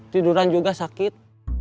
tiduran juga sakit